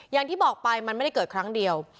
อย่างที่บอกไปมันไม่ได้เกิดครั้งเดียว